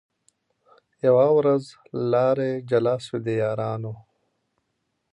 یوه ورځ لاري جلا سوې د یارانو